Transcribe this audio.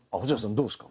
どうですか？